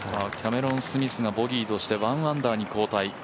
キャメロン・スミスがボギーとして１アンダーに後退。